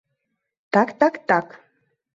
Так-так-так...